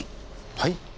はい？